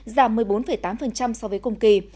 giảm một mươi bốn tám so với cùng kỳ